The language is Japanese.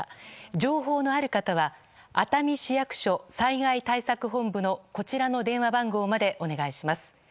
情報のある方は熱海市役所災害対策本部のこちらの電話番号までお願いします。